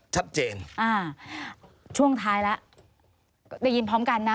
ชัดเจนอ่าช่วงท้ายแล้วก็ได้ยินพร้อมกันนะ